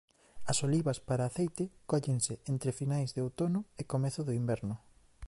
As olivas para aceite cóllense entre finais de outono e comezo do inverno.